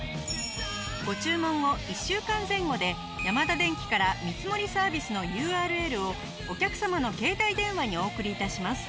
ご注文後１週間前後でヤマダデンキから見積もりサービスのＵＲＬをお客様の携帯電話にお送り致します。